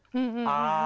ああ。